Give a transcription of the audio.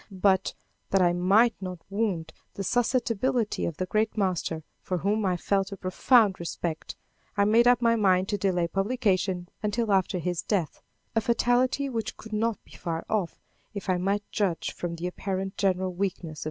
But, that I might not wound the susceptibility of the great master, for whom I felt a profound respect, I made up my mind to delay publication until after his death, a fatality which could not be far off, if I might judge from the apparent general weakness of M.